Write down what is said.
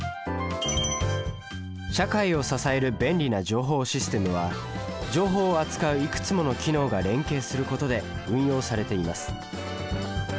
社会を支える便利な情報システムは情報を扱ういくつもの機能が連携することで運用されています。